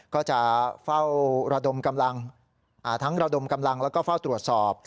ก็จะเฝ้าระดมกำลังทั้งระดมกำลังแล้วก็เฝ้าตรวจสอบ